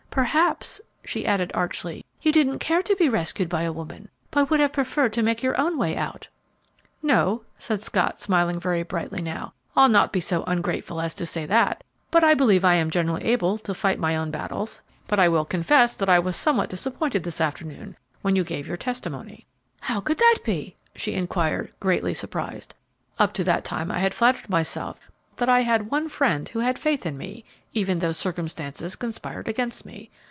Perhaps," she added, archly, "you didn't care to be rescued by a woman, but would have preferred to make your own way out." "No," said Scott, smiling very brightly now; "I'll not be so ungrateful as to say that, though I believe I am generally able to fight my own battles; but I will confess I was somewhat disappointed this afternoon when you gave your testimony." "How could that be?" she inquired, greatly surprised. "Up to that time I had flattered myself that I had one friend who had faith in me, even though circumstances conspired against me.